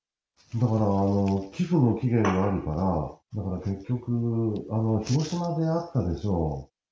だから、寄付の期限があるから、だから結局、広島であったでしょう。